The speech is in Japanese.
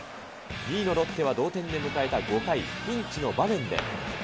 ２位のロッテは同点で迎えた５回、ピンチの場面で。